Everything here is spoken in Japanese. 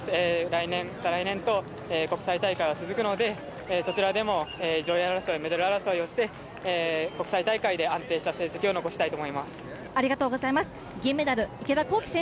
来年再来年と、国際大会は続くのでそちらでも上位争い、メダル争いをして国際大会で安定した成績を残したいと思います。